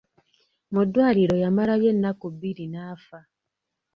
Mu ddwaliro yamalayo ennaku bbiri n'afa.